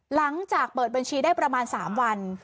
หลังจากเปิดบัญชีได้ประมาณ๓วัน